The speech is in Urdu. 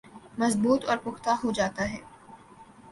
مضبوط اور پختہ ہوجاتا ہے